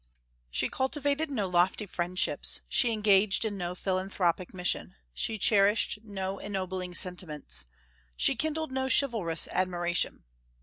She cultivated no lofty friendships; she engaged in no philanthropic mission; she cherished no ennobling sentiments; she kindled no chivalrous admiration.